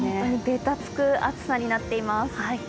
べたつく暑さになっています。